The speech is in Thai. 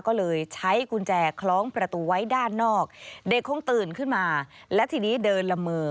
ก็เลยใช้กุญแจคล้องประตูไว้ด้านนอกเด็กคงตื่นขึ้นมาและทีนี้เดินละเมอ